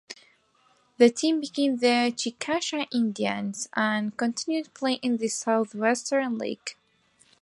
The team became the Chickasha Indians and continued play in the Southwestern League.